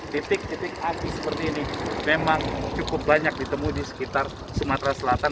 titik titik api seperti ini memang cukup banyak ditemui di sekitar sumatera selatan